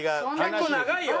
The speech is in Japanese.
「結構長いよ」